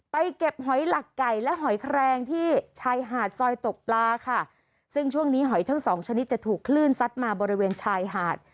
เก็บหอยหลักไก่และหอยแครงที่ชายหาดซอยตกปลาค่ะซึ่งช่วงนี้หอยทั้งสองชนิดจะถูกคลื่นซัดมาบริเวณชายหาด